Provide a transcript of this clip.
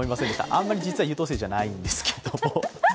あんまり実は優等生じゃないんですけど。